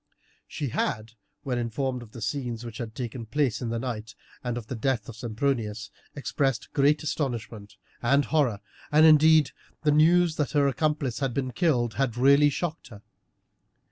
She had, when informed of the scenes which had taken place in the night, and of the death of Sempronius, expressed great astonishment and horror, and indeed the news that her accomplice had been killed had really shocked her.